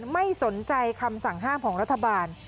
ไม่สนใจคำสั่งห้ามของรัฐบาล